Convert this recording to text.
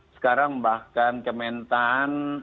sekarang bahkan kementan